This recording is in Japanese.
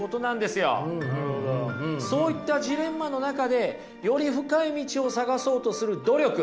そういったジレンマの中でより深い道を探そうとする努力。